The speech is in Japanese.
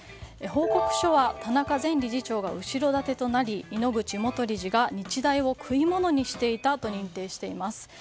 報告書は田中前理事長が後ろ盾となり井ノ口元理事長が日大を食い物にしていたと認定しています。